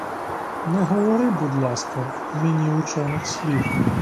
Не говори, будь ласка, міні учених слів!